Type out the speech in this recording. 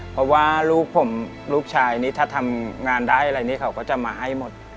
เพราะว่าลูกผมลูกชายนี่ถ้าทำงานได้อะไรนี่เขาก็จะมาให้หมด